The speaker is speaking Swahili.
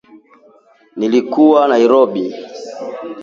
Nilikuwa Nairobi